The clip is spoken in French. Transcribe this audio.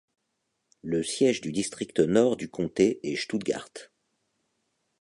Le siège du district nord du comté est Stuttgart.